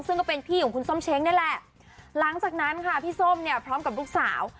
ซึ่งก็เป็นพี่ของคุณส้มเช้งนี่แหละหลังจากนั้นค่ะพี่ส้มเนี่ยพร้อมกับลูกสาว